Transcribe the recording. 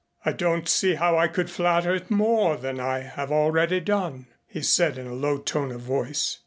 "I don't see how I could flatter it more than I have already done," he said in a low tone of voice.